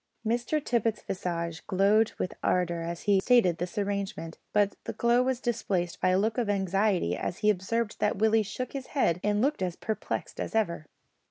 Mr Tippet's visage glowed with ardour as he stated this arrangement, but the glow was displaced by a look of anxiety as he observed that Willie shook his head and looked as perplexed as ever.